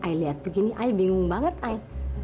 i lihat begini i bingung banget i